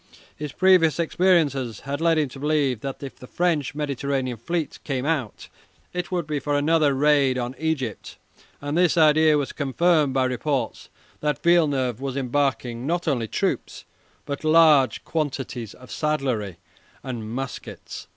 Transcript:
His previous experiences had led him to believe that if the French Mediterranean fleet came out it would be for another raid on Egypt, and this idea was confirmed by reports that Villeneuve was embarking not only troops, but large quantities of saddlery and muskets.